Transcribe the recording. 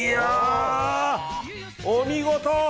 お見事！